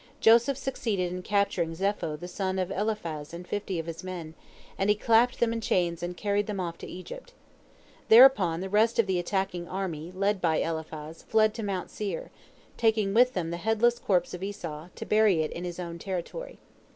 Joseph succeeded in capturing Zepho the son of Eliphaz and fifty of his men, and he clapped them in chains and carried them off to Egypt. Thereupon the rest of the attacking army led by Eliphaz fled to Mount Seir, taking with them the headless corpse of Esau, to bury it in his own territory.